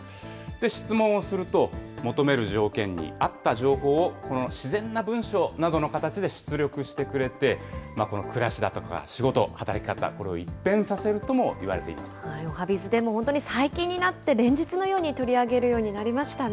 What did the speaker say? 質問をすると、求める条件に合った情報を、この自然な文章などの形で出力してくれて、暮らしだとか仕事、働き方、これを一変させおはＢｉｚでも最近になって、連日のように取り上げるようになりましたね。